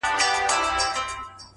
خالقه د آسمان په کناره کي سره ناست وو!!